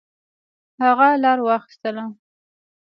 هغه لار واخیستله.